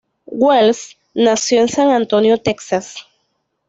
Wells nació en San Antonio, Texas.